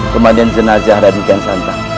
pemakaman jenazah raden kansanta